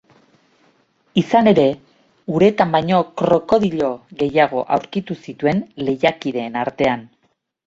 Izan ere, uretan baino krokodilo gehiago aurkitu zituen lehiakideen artean.